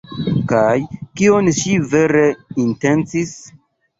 Kaj kion ŝi vere intencis?